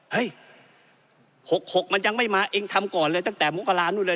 เฮ้ยหกหกมันยังไม่มาเองทำก่อนเลยตั้งแต่มุงกรานู้นเลย